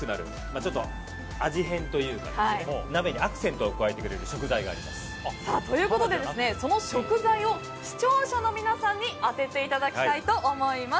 ちょっと、味変というか鍋にアクセントを加えてくれるその食材を視聴者の皆さんに当てていただきたいと思います。